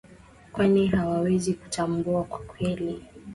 kwani hawawezi kutambua kwa kweli kweli